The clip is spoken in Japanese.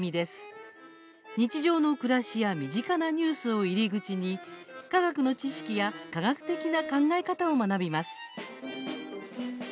日常の暮らしや身近なニュースを入り口に科学の知識や科学的な考え方を学びます。